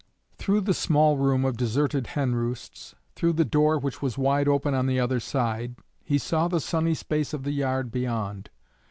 Through the small room of deserted hen roosts, through the door which was wide open on the other side, he saw the sunny space of the yard beyond.